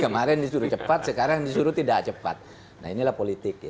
kemarin disuruh cepat sekarang disuruh tidak cepat nah inilah politik